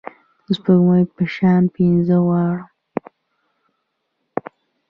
د سپوږمۍ په شان ښځه غواړم